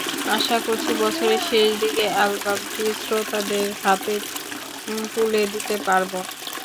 আশা করছি, বছরের শেষ দিকে অ্যালবামটি শ্রোতাদের হাতে তুলে দিতে পারব।